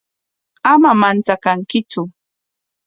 Ama manchakankitsu.